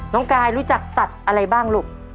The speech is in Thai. น้องกายรู้จักสัตว์อะไรบ้างลูก